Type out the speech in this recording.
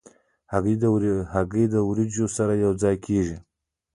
هګۍ د وریجو سره یو ځای کېږي.